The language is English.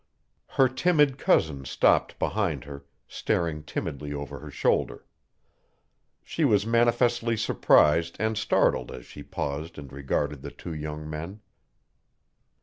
Her timid cousin stopped behind her, staring timidly over her shoulder. She was manifestly surprised and startled as she paused and regarded the two young men.